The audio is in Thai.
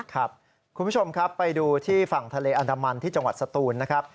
คุณผู้ชมครับไปดูที่ฝั่งทะเลอันดามันที่จังหวัดสตูนนะครับ